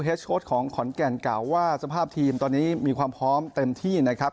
โค้ดของขอนแก่นกล่าวว่าสภาพทีมตอนนี้มีความพร้อมเต็มที่นะครับ